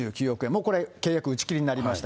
もうこれ契約は打ち切りました。